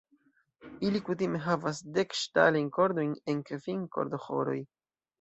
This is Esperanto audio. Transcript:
Ili kutime havas dek ŝtalajn kordojn en kvin kordoĥoroj.